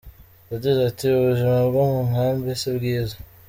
Yagize ati "Ubuzima bwo mu nkambi si bwiza.